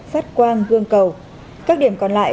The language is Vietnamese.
phát quan gương cầu các điểm còn lại